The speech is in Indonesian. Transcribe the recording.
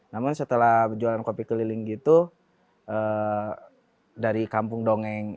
namun setelah berjualan kopi keliling gitu dari kampung dongeng